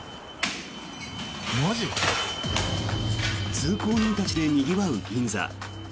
通行人たちでにぎわう銀座。